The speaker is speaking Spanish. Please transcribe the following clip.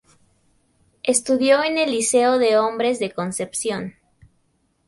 Estudió en el Liceo de Hombres de Concepción.